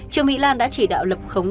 trương mỹ lan đã chỉ đạo lập khống